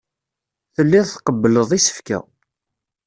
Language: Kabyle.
Telliḍ tqebbleḍ isefka.